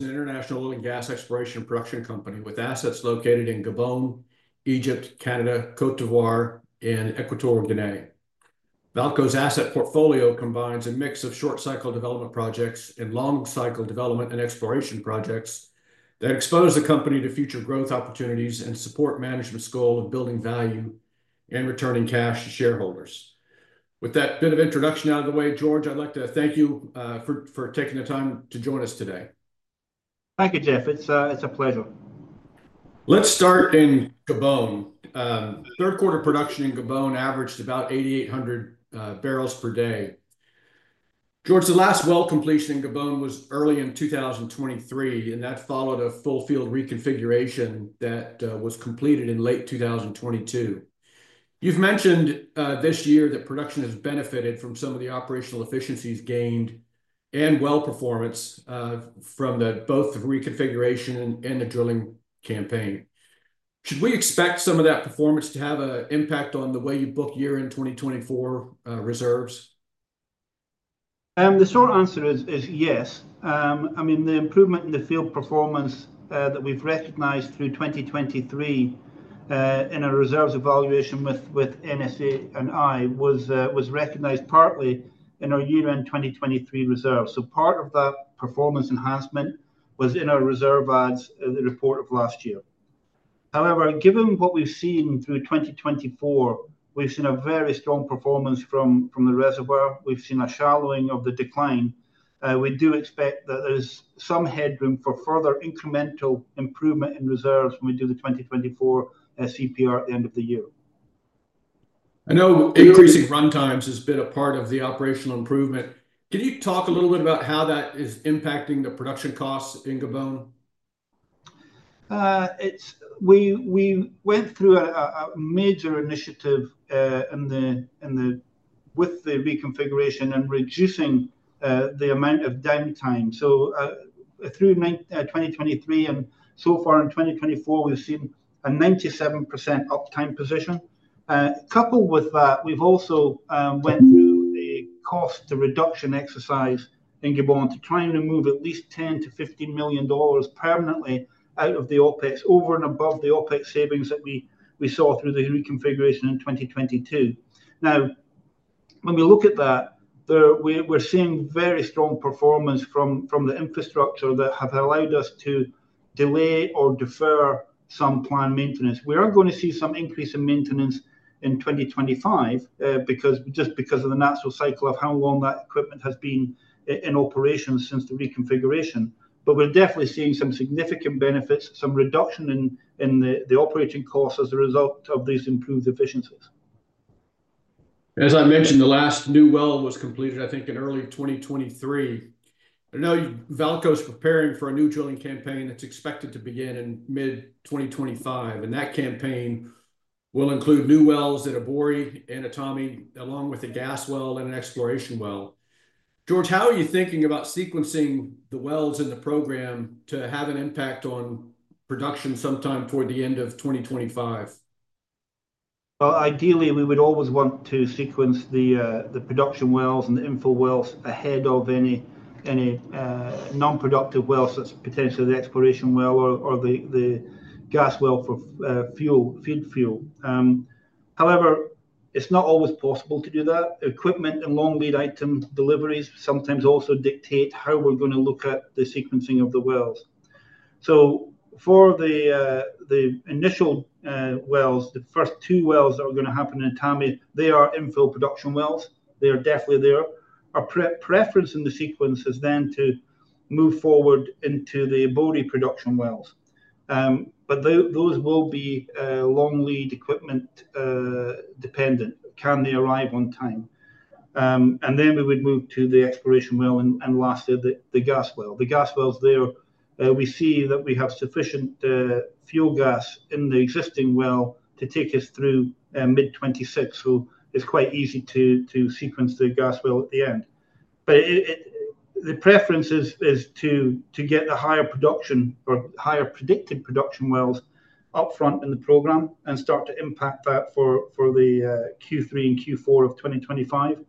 An international oil and gas exploration and production company with assets located in Gabon, Egypt, Canada, Côte d'Ivoire, and Equatorial Guinea. VAALCO's asset portfolio combines a mix of short-cycle development projects and long-cycle development and exploration projects that expose the company to future growth opportunities and support management's goal of building value and returning cash to shareholders. With that bit of introduction out of the way, George, I'd like to thank you for taking the time to join us today. Thank you, Jeff. It's a pleasure. Let's start in Gabon. Third-quarter production in Gabon averaged about 8,800 barrels per day. George, the last well completion in Gabon was early in 2023, and that followed a full field reconfiguration that was completed in late 2022. You've mentioned this year that production has benefited from some of the operational efficiencies gained and well performance from both the reconfiguration and the drilling campaign. Should we expect some of that performance to have an impact on the way you book year-end 2024 reserves? The short answer is yes. I mean, the improvement in the field performance that we've recognized through 2023 in our reserves evaluation with NSA and it was recognized partly in our year-end 2023 reserves. So part of that performance enhancement was in our reserves report of last year. However, given what we've seen through 2024, we've seen a very strong performance from the reservoir. We've seen a shallowing of the decline. We do expect that there's some headroom for further incremental improvement in reserves when we do the 2024 CPR at the end of the year. I know increasing runtimes has been a part of the operational improvement. Can you talk a little bit about how that is impacting the production costs in Gabon? We went through a major initiative with the reconfiguration and reducing the amount of downtime. So through 2023 and so far in 2024, we've seen a 97% uptime position. Coupled with that, we've also went through a cost reduction exercise in Gabon to try and remove at least $10 million-$15 million permanently out of the OpEx, over and above the OpEx savings that we saw through the reconfiguration in 2022. Now, when we look at that, we're seeing very strong performance from the infrastructure that have allowed us to delay or defer some planned maintenance. We are going to see some increase in maintenance in 2025 just because of the natural cycle of how long that equipment has been in operation since the reconfiguration. But we're definitely seeing some significant benefits, some reduction in the operating costs as a result of these improved efficiencies. As I mentioned, the last new well was completed, I think, in early 2023. I know VAALCO is preparing for a new drilling campaign that's expected to begin in mid-2025, and that campaign will include new wells at Ebouri and Etame, along with a gas well and an exploration well. George, how are you thinking about sequencing the wells in the program to have an impact on production sometime toward the end of 2025? Ideally, we would always want to sequence the production wells and the infill wells ahead of any non-productive wells that's potentially the exploration well or the gas well for fuel feed fuel. However, it's not always possible to do that. Equipment and long lead item deliveries sometimes also dictate how we're going to look at the sequencing of the wells. For the initial wells, the first two wells that are going to happen in Etame, they are infill production wells. They are definitely there. Our preference in the sequence is then to move forward into the Ebouri production wells. Those will be long lead equipment dependent. Can they arrive on time? We would move to the exploration well and lastly, the gas well. The gas wells there, we see that we have sufficient fuel gas in the existing well to take us through mid-2026. It's quite easy to sequence the gas well at the end. The preference is to get the higher production or higher predicted production wells upfront in the program and start to impact that for the Q3 and Q4 of 2025.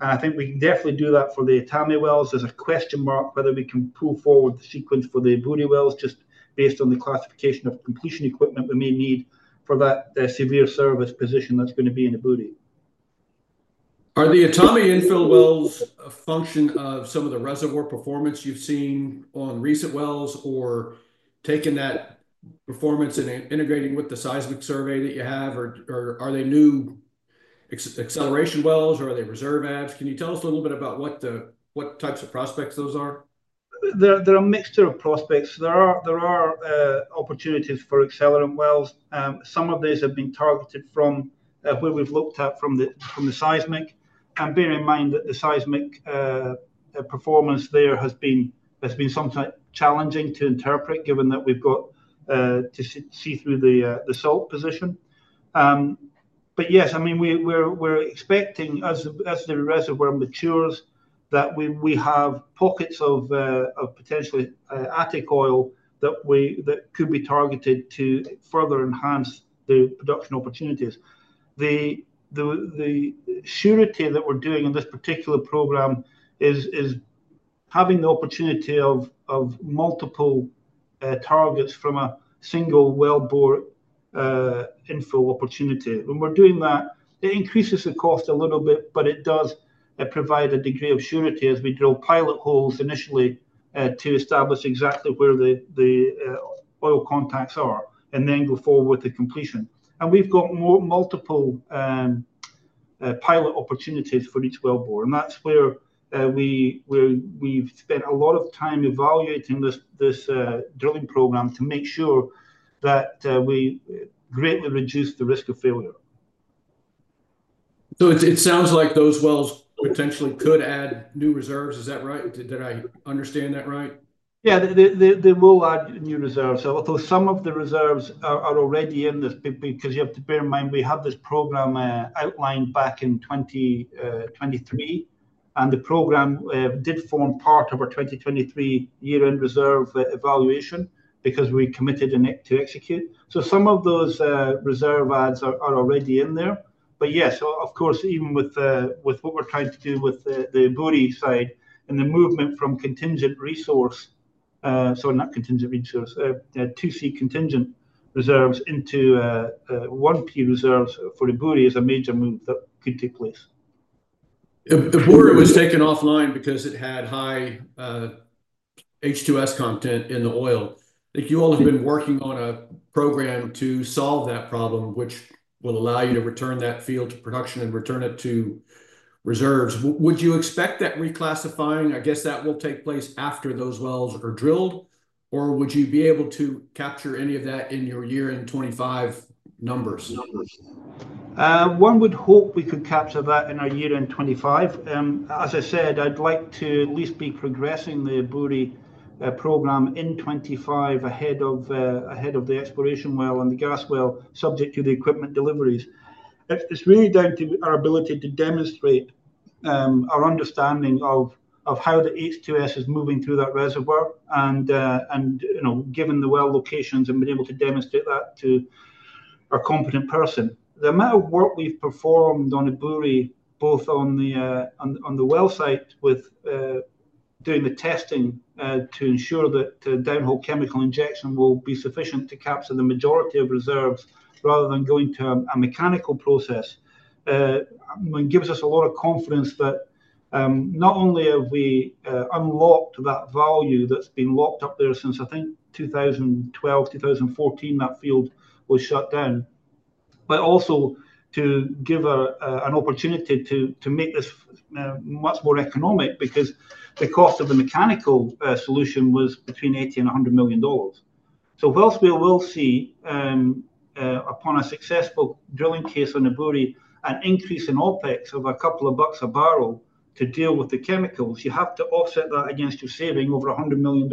I think we can definitely do that for the Etame wells. There's a question mark whether we can pull forward the sequence for the Ebouri wells just based on the classification of completion equipment we may need for that severe service position that's going to be in Ebouri. Are the Etame infill wells a function of some of the reservoir performance you've seen on recent wells or taking that performance and integrating with the seismic survey that you have? Or are they new acceleration wells? Or are they reserve adds? Can you tell us a little bit about what types of prospects those are? They're a mixture of prospects. There are opportunities for accelerant wells. Some of these have been targeted from where we've looked at from the seismic. Bear in mind that the seismic performance there has been sometimes challenging to interpret, given that we've got to see through the salt position. Yes, I mean, we're expecting as the reservoir matures that we have pockets of potentially attic oil that could be targeted to further enhance the production opportunities. The surety that we're doing in this particular program is having the opportunity of multiple targets from a single wellbore infill opportunity. When we're doing that, it increases the cost a little bit, but it does provide a degree of surety as we drill pilot holes initially to establish exactly where the oil contacts are and then go forward with the completion. We've got multiple pilot opportunities for each wellbore. That's where we've spent a lot of time evaluating this drilling program to make sure that we greatly reduce the risk of failure. So it sounds like those wells potentially could add new reserves. Is that right? Did I understand that right? Yeah, they will add new reserves. Although some of the reserves are already in this because you have to bear in mind we have this program outlined back in 2023, and the program did form part of our 2023 year-end reserve evaluation because we committed to execute. So some of those reserve adds are already in there, but yes, of course, even with what we're trying to do with the Ebouri side and the movement from contingent resource, sorry, not contingent resource, 2C contingent reserves into 1P reserves for Ebouri is a major move that could take place. Ebouri was taken offline because it had high H2S content in the oil. I think you all have been working on a program to solve that problem, which will allow you to return that field to production and return it to reserves. Would you expect that reclassifying, I guess that will take place after those wells are drilled? Or would you be able to capture any of that in your year-end 2025 numbers? One would hope we could capture that in our year-end 2025. As I said, I'd like to at least be progressing the Ebouri program in 2025 ahead of the exploration well and the gas well subject to the equipment deliveries. It's really down to our ability to demonstrate our understanding of how the H2S is moving through that reservoir and given the well locations and being able to demonstrate that to a competent person. The amount of work we've performed on Ebouri, both on the well site with doing the testing to ensure that downhole chemical injection will be sufficient to capture the majority of reserves rather than going to a mechanical process, gives us a lot of confidence that not only have we unlocked that value that's been locked up there since I think 2012, 2014, that field was shut down, but also to give an opportunity to make this much more economic because the cost of the mechanical solution was between $80 million-$100 million. So while we will see upon a successful drilling case on Ebouri an increase in OpEx of a couple of bucks a barrel to deal with the chemicals, you have to offset that against your saving over $100 million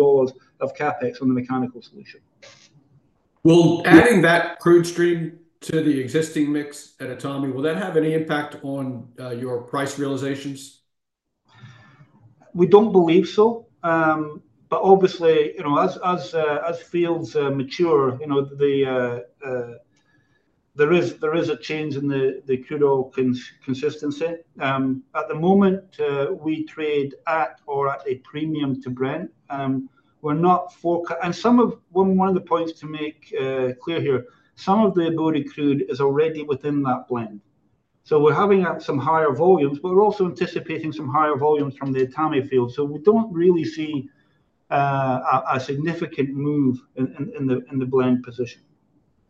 of CapEx on the mechanical solution. Adding that crude stream to the existing mix at Etame, will that have any impact on your price realizations? We don't believe so, but obviously, as fields mature, there is a change in the crude oil consistency. At the moment, we trade at or a premium to Brent. And some of the points to make clear here, some of the Ebouri crude is already within that blend. So we're having some higher volumes, but we're also anticipating some higher volumes from the Etame field. We don't really see a significant move in the blend position.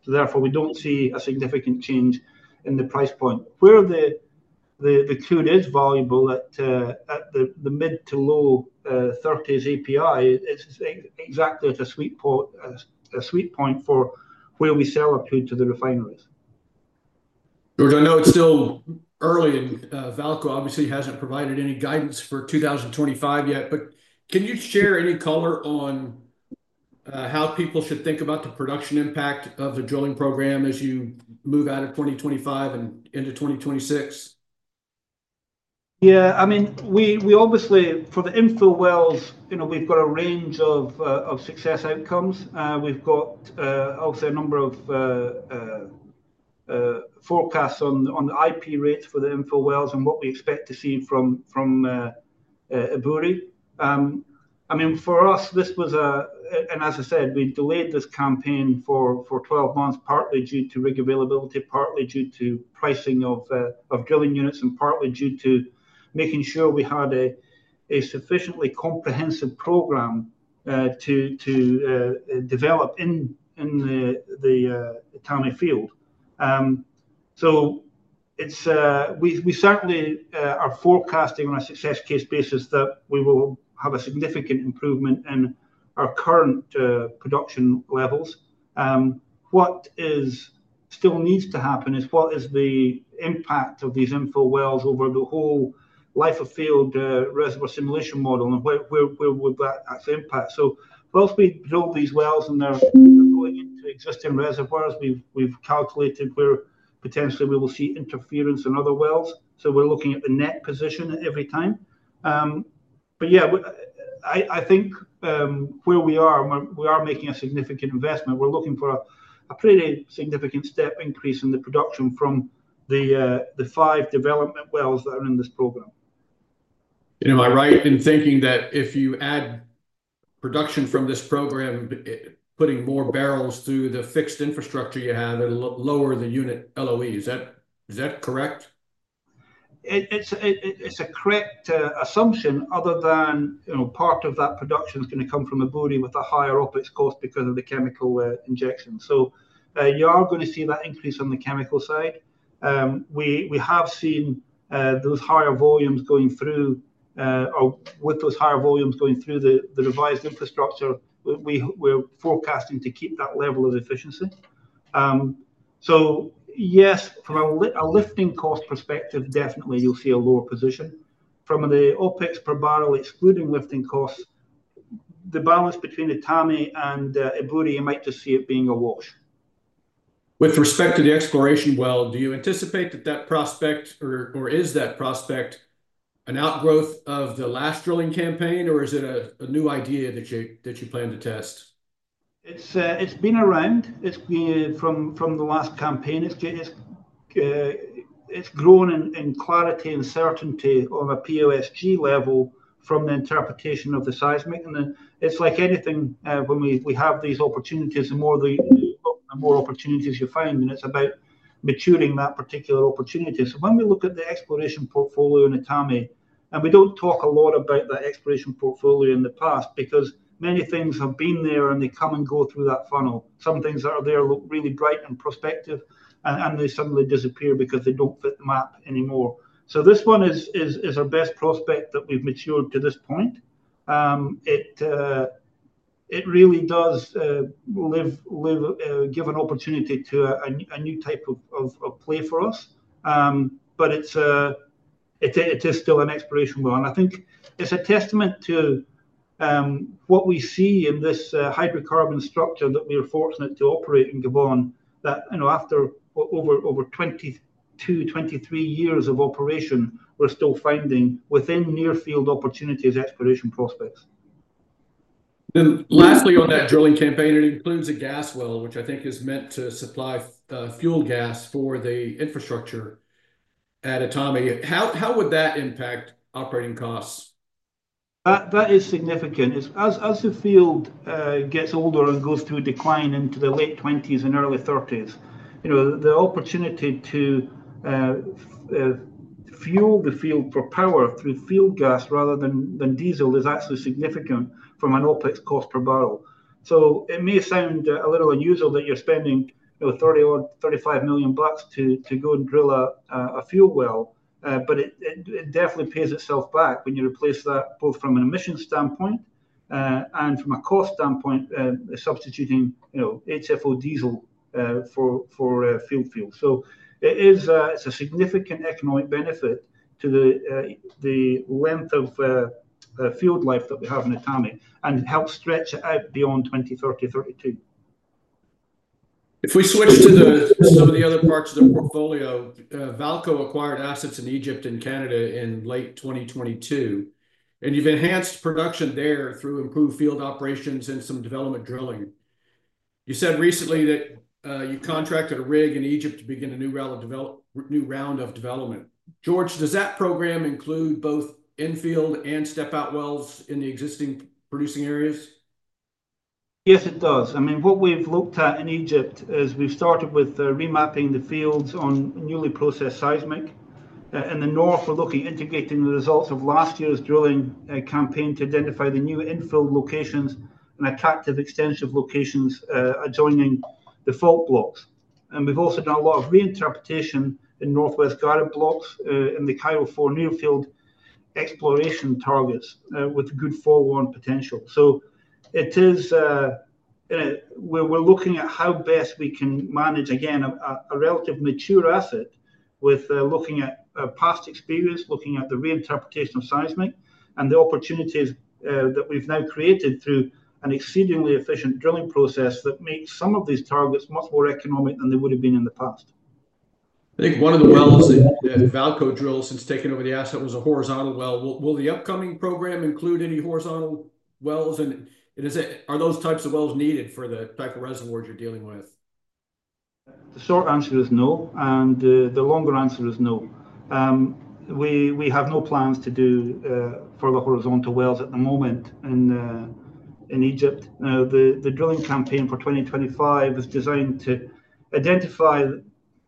Therefore, we don't see a significant change in the price point. Where the crude is valuable at the mid to low 30s API, it's exactly at a sweet point for where we sell our crude to the refineries. George, I know it's still early, and VAALCO obviously hasn't provided any guidance for 2025 yet. But can you share any color on how people should think about the production impact of the drilling program as you move out of 2025 and into 2026? Yeah, I mean, we obviously, for the infill wells, we've got a range of success outcomes. We've got obviously a number of forecasts on the IP rates for the infill wells and what we expect to see from Ebouri. I mean, for us, this was a, and as I said, we delayed this campaign for 12 months, partly due to rig availability, partly due to pricing of drilling units, and partly due to making sure we had a sufficiently comprehensive program to develop in the Etame field. So we certainly are forecasting on a success case basis that we will have a significant improvement in our current production levels. What still needs to happen is what is the impact of these infill wells over the whole life of field reservoir simulation model and where would that actually impact? So while we drill these wells and they're going into existing reservoirs, we've calculated where potentially we will see interference in other wells. So we're looking at the net position every time. But yeah, I think where we are, we are making a significant investment. We're looking for a pretty significant step increase in the production from the five development wells that are in this program. Am I right in thinking that if you add production from this program, putting more barrels through the fixed infrastructure you have, it'll lower the unit LOE? Is that correct? It's a correct assumption other than part of that production is going to come from Ebouri with a higher OpEx cost because of the chemical injection. So you are going to see that increase on the chemical side. We have seen those higher volumes going through or with those higher volumes going through the revised infrastructure, we're forecasting to keep that level of efficiency. So yes, from a lifting cost perspective, definitely you'll see a lower position. From the OpEx per barrel excluding lifting costs, the balance between Etame and Ebouri, you might just see it being a wash. With respect to the exploration well, do you anticipate that that prospect or is that prospect an outgrowth of the last drilling campaign, or is it a new idea that you plan to test? It's been around from the last campaign. It's grown in clarity and certainty on a POSG level from the interpretation of the seismic, and it's like anything when we have these opportunities, the more opportunities you find, and it's about maturing that particular opportunity, so when we look at the exploration portfolio in Etame, and we don't talk a lot about that exploration portfolio in the past because many things have been there and they come and go through that funnel. Some things that are there look really bright and prospective, and they suddenly disappear because they don't fit the map anymore, so this one is our best prospect that we've matured to this point. It really does give an opportunity to a new type of play for us, but it is still an exploration well. I think it's a testament to what we see in this hydrocarbon structure that we are fortunate to operate in Gabon that after over 22, 23 years of operation, we're still finding within near field opportunities exploration prospects. Lastly, on that drilling campaign, it includes a gas well, which I think is meant to supply fuel gas for the infrastructure at Etame. How would that impact operating costs? That is significant. As the field gets older and goes through decline into the late 20s and early 30s, the opportunity to fuel the field for power through field gas rather than diesel is actually significant from an OpEx cost per barrel. So it may sound a little unusual that you're spending $30 million or $35 million to go and drill a fuel well, but it definitely pays itself back when you replace that both from an emissions standpoint and from a cost standpoint, substituting HFO diesel for field fuel. So it's a significant economic benefit to the length of field life that we have in Etame, and it helps stretch it out beyond 2030, 2032. If we switch to some of the other parts of the portfolio, VAALCO acquired assets in Egypt and Canada in late 2022, and you've enhanced production there through improved field operations and some development drilling. You said recently that you contracted a rig in Egypt to begin a new round of development. George, does that program include both infill and step-out wells in the existing producing areas? Yes, it does. I mean, what we've looked at in Egypt is we've started with remapping the fields on newly processed seismic. In the north, we're looking at integrating the results of last year's drilling campaign to identify the new infill locations and attractive extension locations adjoining the fault blocks. And we've also done a lot of reinterpretation in Northwest Gharib blocks in the Cairo 4 nearfield exploration targets with good upside potential. So we're looking at how best we can manage, again, a relatively mature asset with looking at past experience, looking at the reinterpretation of seismic, and the opportunities that we've now created through an exceedingly efficient drilling process that makes some of these targets much more economic than they would have been in the past. I think one of the wells that VAALCO drills since taking over the asset was a horizontal well. Will the upcoming program include any horizontal wells? And are those types of wells needed for the type of reservoirs you're dealing with? The short answer is no, and the longer answer is no. We have no plans to do further horizontal wells at the moment in Egypt. The drilling campaign for 2025 is designed to identify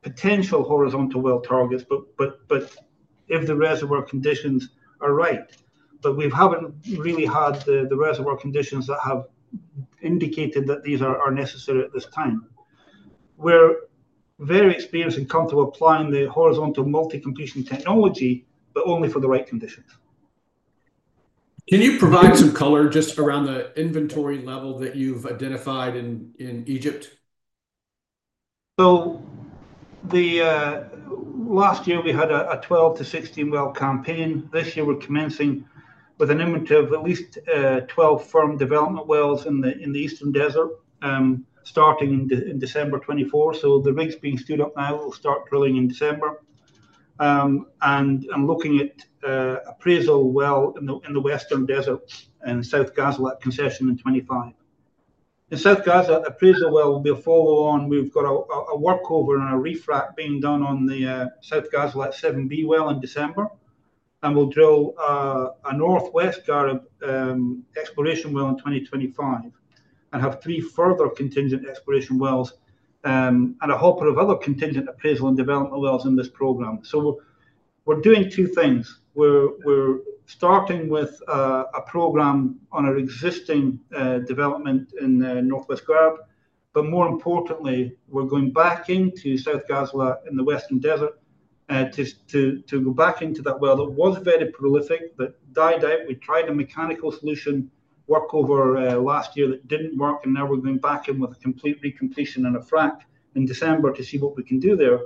potential horizontal well targets, but if the reservoir conditions are right, but we haven't really had the reservoir conditions that have indicated that these are necessary at this time. We're very experienced and comfortable applying the horizontal multi-completion technology, but only for the right conditions. Can you provide some color just around the inventory level that you've identified in Egypt? Last year, we had a 12-16 well campaign. This year, we're commencing with an inventory of at least 12 firm development wells in the Eastern Desert starting in December 2024. The rigs being stood up now will start drilling in December. I'm looking at appraisal well in the Western Desert in South Ghazalat concession in 2025. In South Ghazalat, appraisal well will follow on. We've got a workover and a refract being done on the South Ghazalat 7B well in December. We'll drill a Northwest Gharib exploration well in 2025 and have three further contingent exploration wells and a whole lot of other contingent appraisal and development wells in this program. We're doing two things. We're starting with a program on our existing development in Northwest Gharib. But more importantly, we're going back into South Ghazalat in the Western Desert to go back into that well that was very prolific that died out. We tried a mechanical solution workover last year that didn't work, and now we're going back in with a complete recompletion and a refract in December to see what we can do there,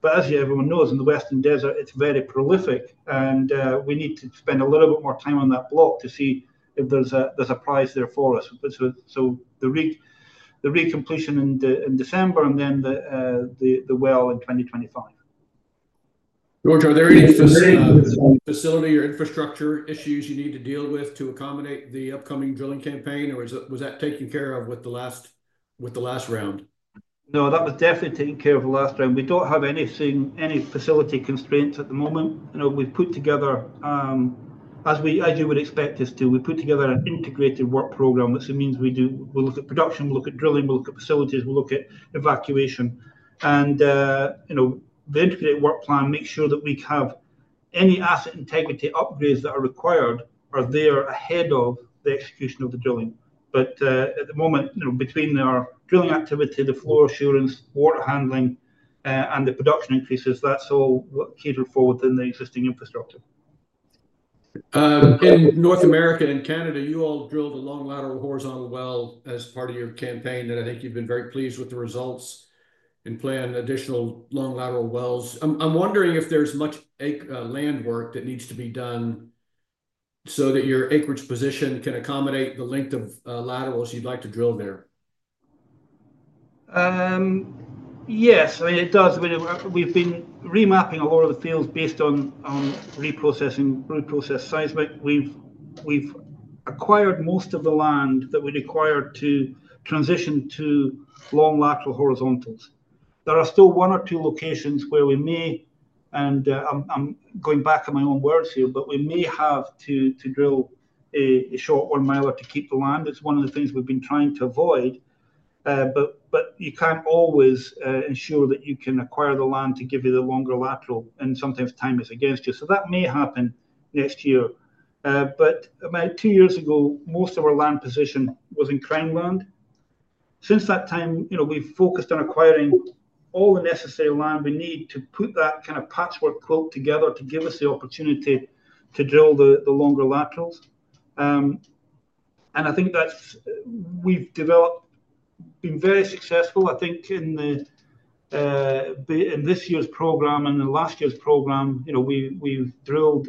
but as everyone knows, in the Western Desert, it's very prolific, and we need to spend a little bit more time on that block to see if there's a prize there for us, so the recompletion in December and then the well in 2025. George, are there any facility or infrastructure issues you need to deal with to accommodate the upcoming drilling campaign, or was that taken care of with the last round? No, that was definitely taken care of the last round. We don't have any facility constraints at the moment. We've put together, as you would expect us to, we've put together an integrated work program. That means we look at production, we look at drilling, we look at facilities, we look at evacuation. And the integrated work plan makes sure that we have any asset integrity upgrades that are required are there ahead of the execution of the drilling. But at the moment, between our drilling activity, the flow assurance, water handling, and the production increases, that's all catered for within the existing infrastructure. In North America and Canada, you all drilled a long lateral horizontal well as part of your campaign. And I think you've been very pleased with the results in planning additional long lateral wells. I'm wondering if there's much landwork that needs to be done so that your acreage position can accommodate the length of laterals you'd like to drill there? Yes, I mean, it does. We've been remapping a lot of the fields based on reprocessing reprocessed seismic. We've acquired most of the land that we required to transition to long lateral horizontals. There are still one or two locations where we may, and I'm going back on my own words here, but we may have to drill a short one mile to keep the land. It's one of the things we've been trying to avoid, but you can't always ensure that you can acquire the land to give you the longer lateral, and sometimes time is against you, so that may happen next year, but about two years ago, most of our land position was in Crown land. Since that time, we've focused on acquiring all the necessary land we need to put that kind of patchwork quilt together to give us the opportunity to drill the longer laterals. And I think we've developed, been very successful. I think in this year's program and the last year's program, we've drilled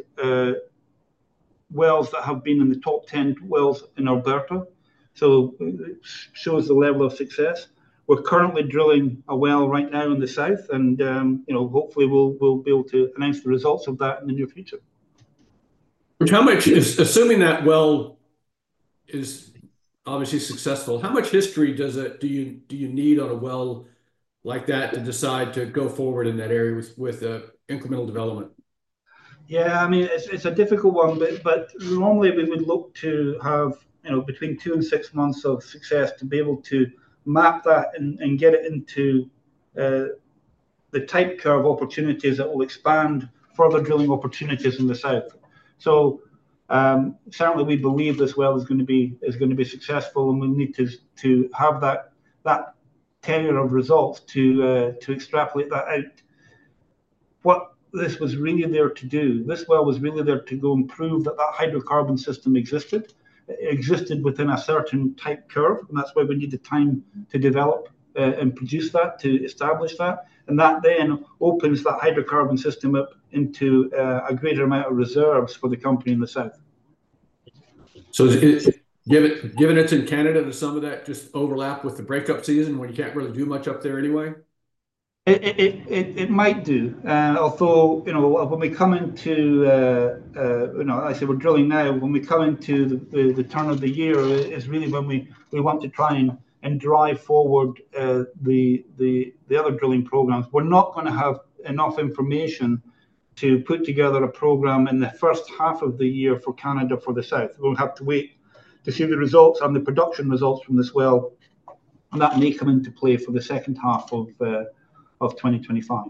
wells that have been in the top 10 wells in Alberta. So it shows the level of success. We're currently drilling a well right now in the south. And hopefully, we'll be able to announce the results of that in the near future. Assuming that well is obviously successful, how much history do you need on a well like that to decide to go forward in that area with incremental development? Yeah, I mean, it's a difficult one. But normally, we would look to have between two and six months of success to be able to map that and get it into the type curve opportunities that will expand further drilling opportunities in the south. So certainly, we believe this well is going to be successful. And we need to have that tenure of results to extrapolate that out. What this was really there to do, this well was really there to go and prove that that hydrocarbon system existed within a certain type curve. And that's why we need the time to develop and produce that, to establish that. And that then opens that hydrocarbon system up into a greater amount of reserves for the company in the south. So given it's in Canada, does some of that just overlap with the breakup season when you can't really do much up there anyway? It might do. Although when we come into, I say we're drilling now, when we come into the turn of the year, it's really when we want to try and drive forward the other drilling programs. We're not going to have enough information to put together a program in the first half of the year for Canada for the south. We'll have to wait to see the results on the production results from this well, and that may come into play for the second half of 2025.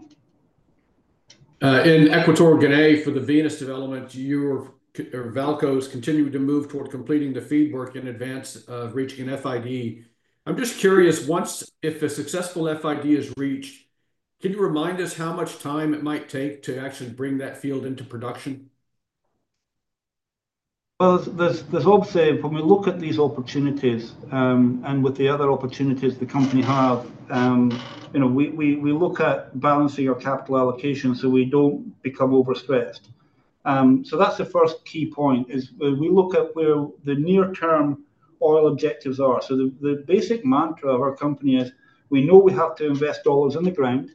In Equatorial Guinea for the Venus development, VAALCO's continuing to move toward completing the FEED work in advance of reaching an FID. I'm just curious, once a successful FID is reached, can you remind us how much time it might take to actually bring that field into production? Well, there's obviously, when we look at these opportunities and with the other opportunities the company has, we look at balancing our capital allocation so we don't become overstressed. So that's the first key point is we look at where the near-term oil objectives are. So the basic mantra of our company is we know we have to invest dollars in the ground,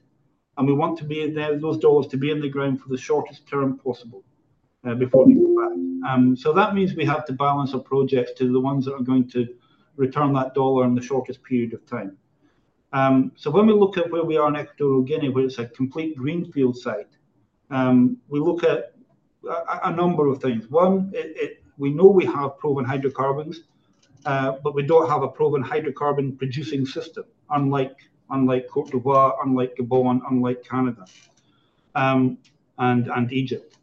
and we want those dollars to be in the ground for the shortest term possible before they go back. So that means we have to balance our projects to the ones that are going to return that dollar in the shortest period of time. So when we look at where we are in Equatorial Guinea, where it's a complete greenfield site, we look at a number of things. One, we know we have proven hydrocarbons, but we don't have a proven hydrocarbon producing system, unlike Côte d'Ivoire, unlike Gabon, unlike Canada, and Egypt.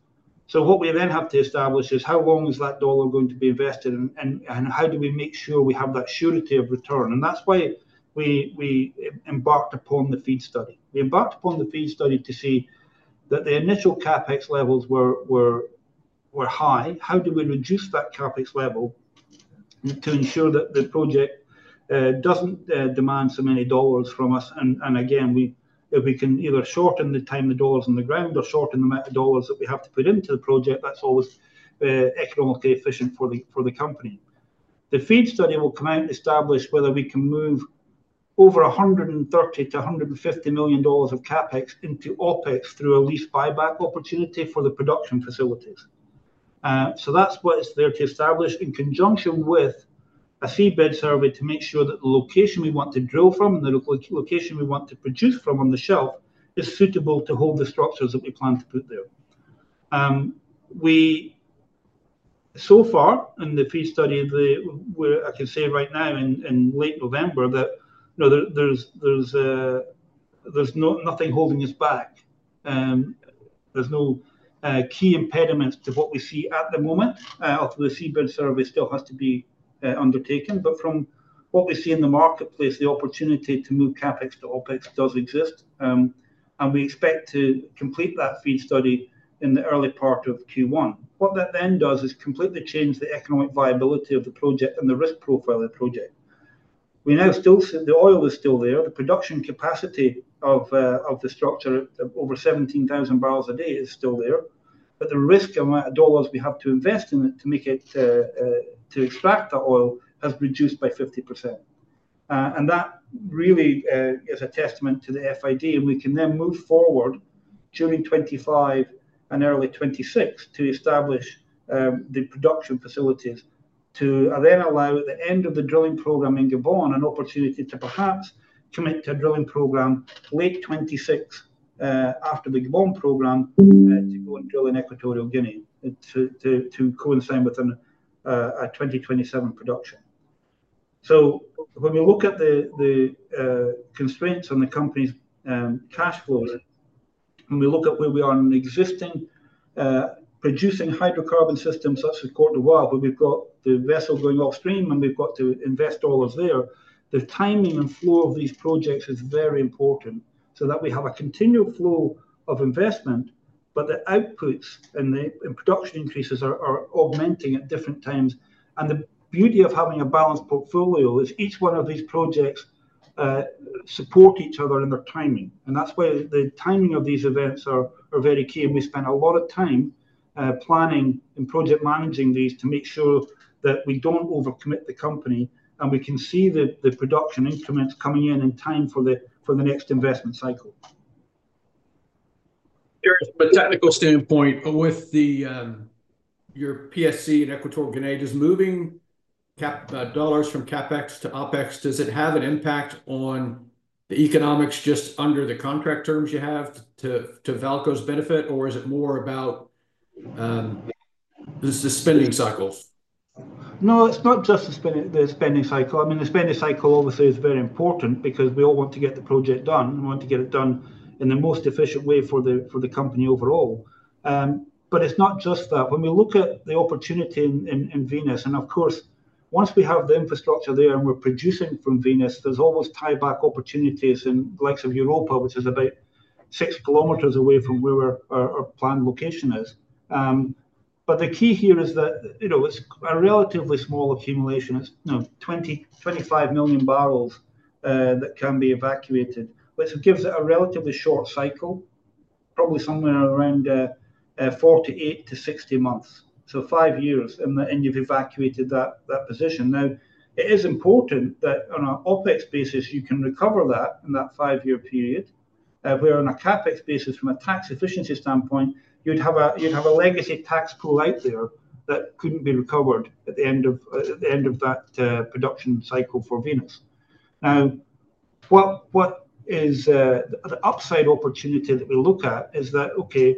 So what we then have to establish is how long is that dollar going to be invested, and how do we make sure we have that surety of return? And that's why we embarked upon the feed study. We embarked upon the feed study to see that the initial CapEx levels were high. How do we reduce that CapEx level to ensure that the project doesn't demand so many dollars from us? And again, if we can either shorten the time the dollars in the ground or shorten the amount of dollars that we have to put into the project, that's always economically efficient for the company. The feed study will come out and establish whether we can move $130 million-$150 million of CapEx into OpEx through a lease buyback opportunity for the production facilities, so that's what's there to establish in conjunction with a seabed survey to make sure that the location we want to drill from and the location we want to produce from on the shelf is suitable to hold the structures that we plan to put there, so far, in the feed study, I can say right now in late November that there's nothing holding us back. There's no key impediments to what we see at the moment, although the seabed survey still has to be undertaken, but from what we see in the marketplace, the opportunity to move CapEx to OpEx does exist, and we expect to complete that feed study in the early part of Q1. What that then does is completely change the economic viability of the project and the risk profile of the project. We now still see the oil is still there. The production capacity of the structure at over 17,000 barrels a day is still there. But the risk amount of dollars we have to invest in it to extract that oil has reduced by 50%. And that really is a testament to the FID. And we can then move forward during 2025 and early 2026 to establish the production facilities to then allow the end of the drilling program in Gabon an opportunity to perhaps commit to a drilling program late 2026 after the Gabon program to go and drill in Equatorial Guinea to coincide with a 2027 production. When we look at the constraints on the company's cash flows, when we look at where we are in existing producing hydrocarbon systems such as Côte d'Ivoire, where we've got the vessel going offstream and we've got to invest dollars there, the timing and flow of these projects is very important so that we have a continual flow of investment, but the outputs and production increases are augmenting at different times. The beauty of having a balanced portfolio is each one of these projects support each other in their timing. That's why the timing of these events are very key. We spend a lot of time planning and project managing these to make sure that we don't overcommit the company and we can see the production increments coming in in time for the next investment cycle. From a technical standpoint, with your PSC in Equatorial Guinea just moving dollars from CapEx to OpEx, does it have an impact on the economics just under the contract terms you have to VAALCO's benefit, or is it more about the spending cycles? No, it's not just the spending cycle. I mean, the spending cycle obviously is very important because we all want to get the project done. We want to get it done in the most efficient way for the company overall. But it's not just that. When we look at the opportunity in Venus, and of course, once we have the infrastructure there and we're producing from Venus, there's always tieback opportunities in the likes of Europa, which is about six kilometers away from where our planned location is. But the key here is that it's a relatively small accumulation. It's 25 million barrels that can be evacuated. This gives it a relatively short cycle, probably somewhere around 48-60 months, so five years in you've evacuated that position. Now, it is important that on an OpEx basis, you can recover that in that five-year period. If we're on a CapEx basis, from a tax efficiency standpoint, you'd have a legacy tax pool out there that couldn't be recovered at the end of that production cycle for Venus. Now, what is the upside opportunity that we look at is that, okay,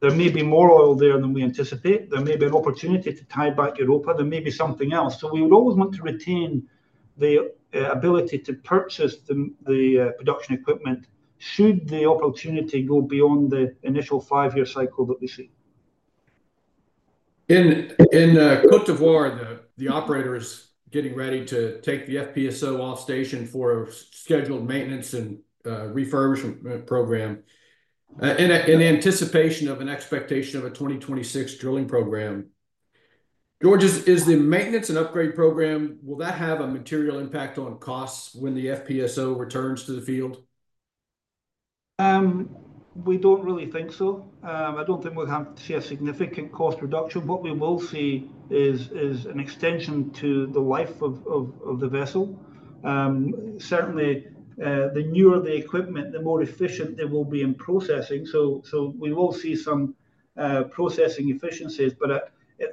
there may be more oil there than we anticipate. There may be an opportunity to tie back Europa. There may be something else. So we would always want to retain the ability to purchase the production equipment should the opportunity go beyond the initial five-year cycle that we see. In Côte d'Ivoire, the operator is getting ready to take the FPSO off station for a scheduled maintenance and refurbishment program in anticipation of an expectation of a 2026 drilling program. George, is the maintenance and upgrade program, will that have a material impact on costs when the FPSO returns to the field? We don't really think so. I don't think we'll have to see a significant cost reduction. What we will see is an extension to the life of the vessel. Certainly, the newer the equipment, the more efficient they will be in processing. So we will see some processing efficiencies. But at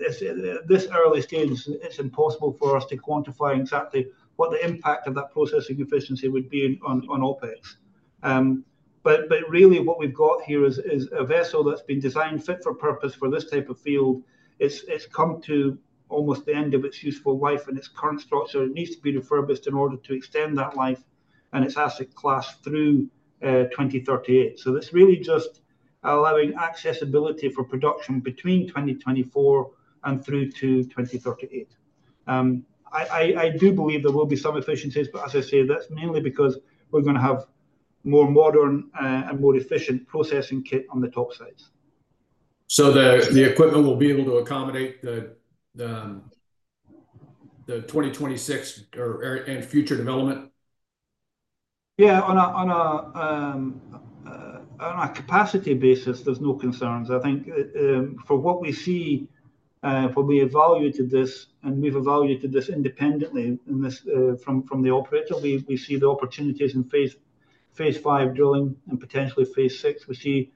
this early stage, it's impossible for us to quantify exactly what the impact of that processing efficiency would be on OpEx. But really, what we've got here is a vessel that's been designed fit for purpose for this type of field. It's come to almost the end of its useful life in its current structure. It needs to be refurbished in order to extend that life. And its asset class through 2038. So it's really just allowing accessibility for production between 2024 and through to 2038. I do believe there will be some efficiencies. But as I say, that's mainly because we're going to have more modern and more efficient processing kit on the topsides. The equipment will be able to accommodate the 2026 and future development? Yeah, on a capacity basis, there's no concerns. I think for what we see, when we evaluated this, and we've evaluated this independently from the operator, we see the opportunities in phase V drilling and potentially phase VI.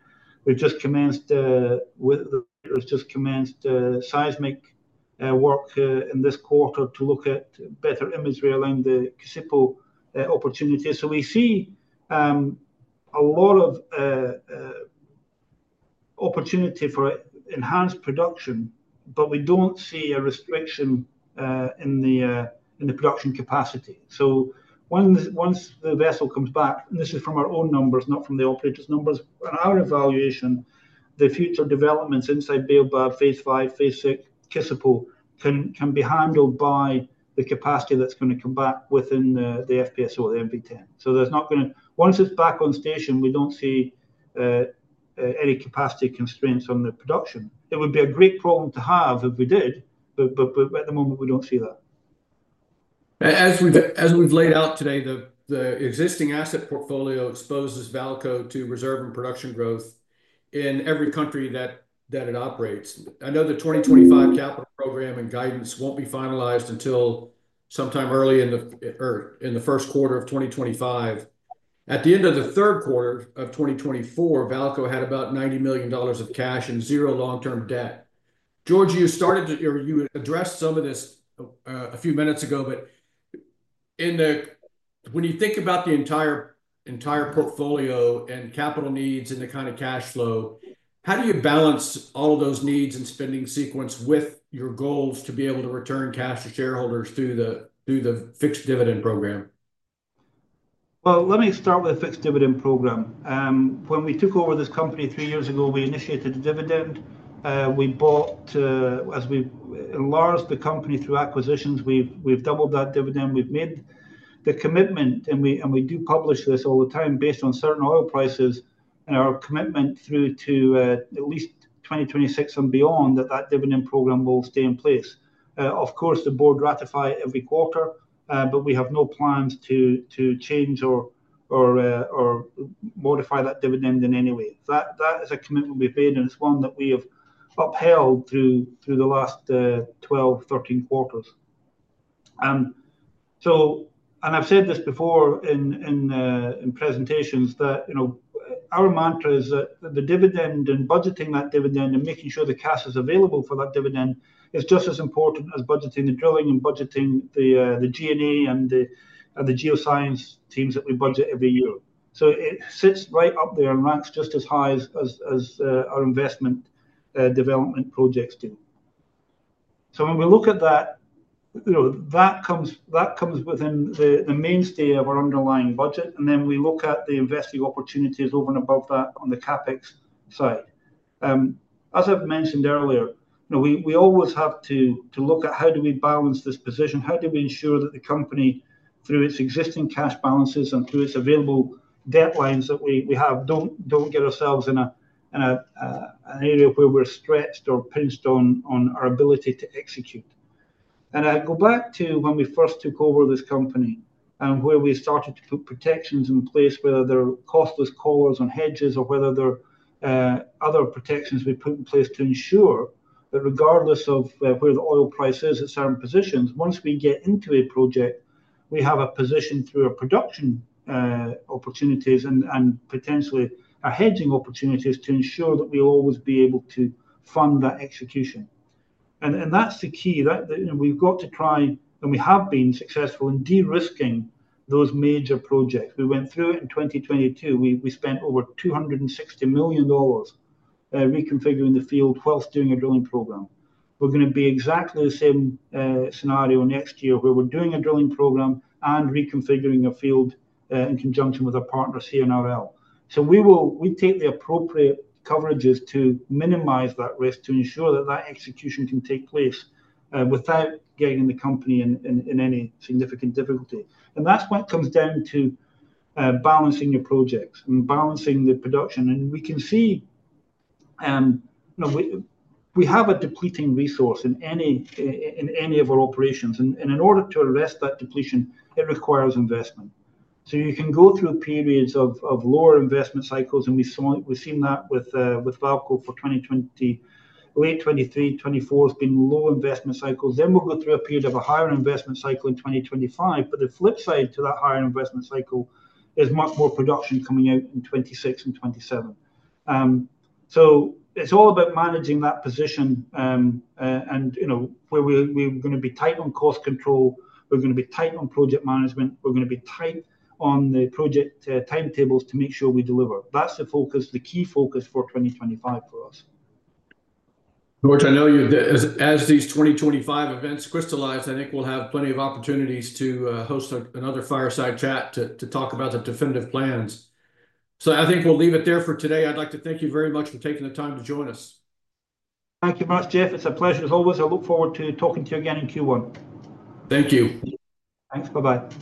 We've just commenced seismic work in this quarter to look at better imagery around the CI-40 opportunity. So we see a lot of opportunity for enhanced production, but we don't see a restriction in the production capacity. So once the vessel comes back, and this is from our own numbers, not from the operator's numbers, on our evaluation, the future developments inside Baobab, phase V, phase VI, CI-40 can be handled by the capacity that's going to come back within the FPSO, the MV10. So there's not going to, once it's back on station, we don't see any capacity constraints on the production. It would be a great problem to have if we did, but at the moment, we don't see that. As we've laid out today, the existing asset portfolio exposes VAALCO to reserve and production growth in every country that it operates. I know the 2025 capital program and guidance won't be finalized until sometime early in the first quarter of 2025. At the end of the third quarter of 2024, VAALCO had about $90 million of cash and zero long-term debt. George, you addressed some of this a few minutes ago, but when you think about the entire portfolio and capital needs and the kind of cash flow, how do you balance all of those needs and spending sequence with your goals to be able to return cash to shareholders through the fixed dividend program? Let me start with the fixed dividend program. When we took over this company three years ago, we initiated a dividend. We bought, as we enlarged the company through acquisitions, we've doubled that dividend. We've made the commitment, and we do publish this all the time based on certain oil prices, and our commitment through to at least 2026 and beyond that that dividend program will stay in place. Of course, the board ratifies every quarter, but we have no plans to change or modify that dividend in any way. That is a commitment we've made, and it's one that we have upheld through the last 12, 13 quarters. I've said this before in presentations that our mantra is that the dividend and budgeting that dividend and making sure the cash is available for that dividend is just as important as budgeting the drilling and budgeting the G&A and the geoscience teams that we budget every year. It sits right up there and ranks just as high as our investment development projects do. When we look at that, that comes within the mainstay of our underlying budget. Then we look at the investing opportunities over and above that on the CapEx side. As I've mentioned earlier, we always have to look at how do we balance this position, how do we ensure that the company, through its existing cash balances and through its available credit lines that we have, don't get ourselves in an area where we're stretched or pinched on our ability to execute. And I go back to when we first took over this company and where we started to put protections in place, whether they're costless collars on hedges or whether they're other protections we put in place to ensure that regardless of where the oil price is at certain positions, once we get into a project, we have a position through our production opportunities and potentially our hedging opportunities to ensure that we'll always be able to fund that execution. And that's the key. We've got to try, and we have been successful in de-risking those major projects. We went through it in 2022. We spent over $260 million reconfiguring the field while doing a drilling program. We're going to be exactly the same scenario next year where we're doing a drilling program and reconfiguring a field in conjunction with our partners, CNRL. So we take the appropriate coverages to minimize that risk to ensure that that execution can take place without getting the company in any significant difficulty. And that's what comes down to balancing your projects and balancing the production. And we can see we have a depleting resource in any of our operations. And in order to arrest that depletion, it requires investment. So you can go through periods of lower investment cycles, and we've seen that with VAALCO for 2020, late 2023, 2024 has been low investment cycles. Then we'll go through a period of a higher investment cycle in 2025. But the flip side to that higher investment cycle is much more production coming out in 2026 and 2027. So it's all about managing that position and where we're going to be tight on cost control. We're going to be tight on project management. We're going to be tight on the project timetables to make sure we deliver. That's the focus, the key focus for 2025 for us. George, I know as these 2025 events crystallize, I think we'll have plenty of opportunities to host another fireside chat to talk about the definitive plans. So I think we'll leave it there for today. I'd like to thank you very much for taking the time to join us. Thank you much, Jeff. It's a pleasure as always. I look forward to talking to you again in Q1. Thank you. Thanks. Bye-bye.